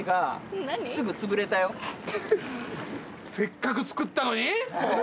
せっかく作ったのに？